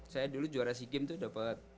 saya dulu juara sea games itu dapat